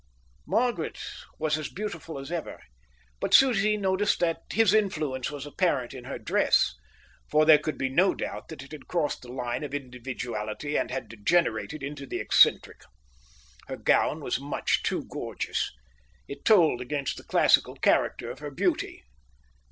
Margaret was as beautiful as ever, but Susie noticed that his influence was apparent in her dress; for there could be no doubt that it had crossed the line of individuality and had degenerated into the eccentric. Her gown was much too gorgeous. It told against the classical character of her beauty.